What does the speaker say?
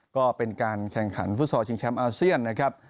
ก็เป็นการแข่งขันฟุตซอลชิงแชมป์อาเซียนนะครับ